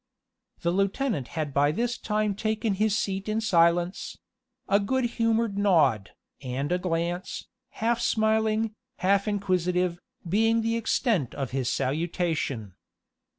The lieutenant had by this time taken his seat in silence a good humored nod, and a glance, half smiling, half inquisitive, being the extent of his salutation.